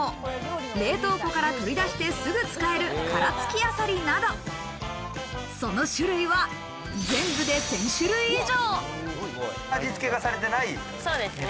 冷凍庫から取り出してすぐ使える殻付きアサリなど、その種類は全部で１０００種類以上。